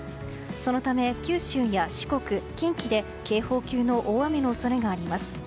そのため九州や四国、近畿で警報級の大雨の恐れがあります。